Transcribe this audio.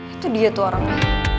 itu dia tuh orangnya